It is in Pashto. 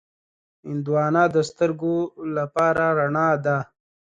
هندوانه د سترګو لپاره رڼا ده.